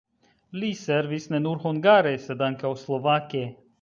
Li servis ne nur hungare, sed ankaŭ slovake.